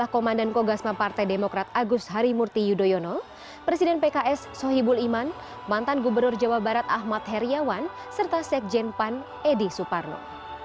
komandan kogasma partai demokrat agus harimurti yudhoyono presiden pks sohibul iman mantan gubernur jawa barat ahmad heriawan serta sekjen pan edi suparno